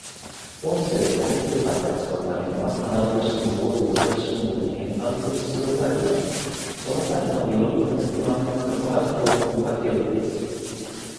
音声をコンピュータで扱うためには、アナログ信号をデジタル信号に変換する必要があります。その際の理論的な基盤となるのが標本化定理です。